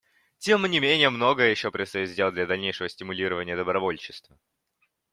Тем не менее многое еще предстоит сделать для дальнейшего стимулирования добровольчества.